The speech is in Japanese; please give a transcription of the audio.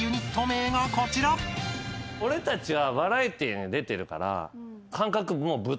俺たちは。